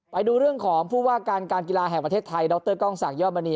ไปดูเรื่องของผู้ว่าการการกีฬาแห่งประเทศไทยดรกล้องศักดมณี